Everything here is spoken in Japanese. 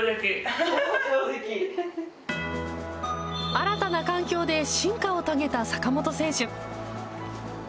新たな環境で進化を遂げた坂本選手。